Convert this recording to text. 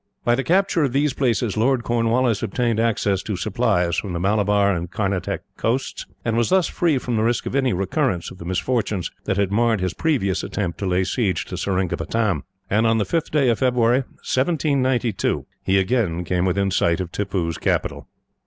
By the capture of these places, Lord Cornwallis obtained access to supplies from the Malabar and Carnatic coasts, and was thus free from the risk of any recurrence of the misfortunes that had marred his previous attempt to lay siege to Seringapatam; and, on the 5th of February, 1792, he again came within sight of Tippoo's capital.